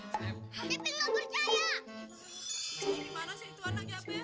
cepi mau nunjukin